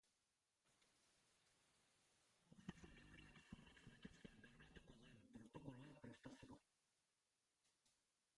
Antolatzaileak lanean ari dira osasun neurriak zorrotz betetzea bermatuko duen protokoloa prestatzeko.